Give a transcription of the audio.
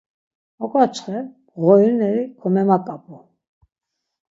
Oǩaçxe mğorineri komemaǩap̌u.